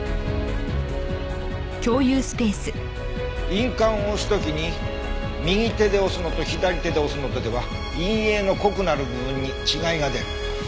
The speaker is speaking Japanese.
印鑑を押す時に右手で押すのと左手で押すのとでは印影の濃くなる部分に違いが出る。